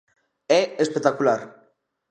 É espectacular.